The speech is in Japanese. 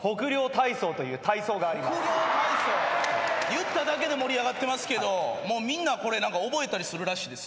言っただけで盛り上がってますけどみんなこれ覚えたりするらしいですね。